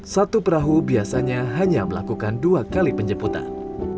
satu perahu biasanya hanya melakukan dua kali penjemputan